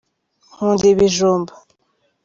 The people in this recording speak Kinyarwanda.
nkunda ibijumba.